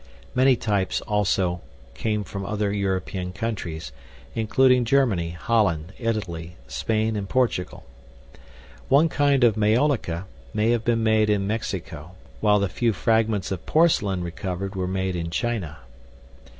Many types also came from other European countries, including Germany, Holland, Italy, Spain, and Portugal. One kind of maiolica may have been made in Mexico, while the few fragments of porcelain recovered were made in China.